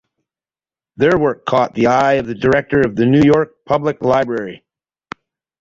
Their work caught the eye of the director of the New York Public Library.